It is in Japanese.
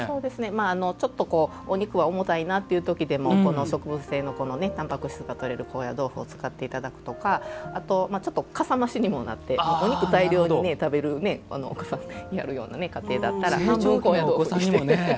お肉は重たいなという時でもこの植物性のたんぱく質が取れる高野豆腐を使っていただくとかあと、ちょっとかさ増しにもなってお肉を大量に食べるご家庭だったら。